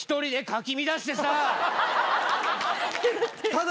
ただ。